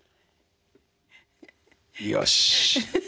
よし。